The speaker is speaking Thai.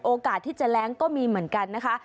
โอกาสที่จะแรงก็มีเหมือนกันนะคะ